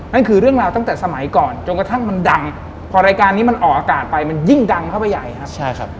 นั่นคือเรื่องราวตั้งแต่สมัยก่อนจนกระทั่งมันดังพอรายการนี้มันออกอากาศไปมันยิ่งดังเข้าไปใหญ่ครับใช่ครับ